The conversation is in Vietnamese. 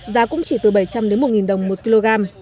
giá cũng chỉ từ bảy trăm linh một đồng một kg